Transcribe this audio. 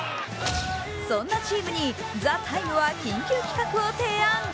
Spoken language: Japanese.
そんなチームに「ＴＨＥＴＩＭＥ，」は緊急企画を提案。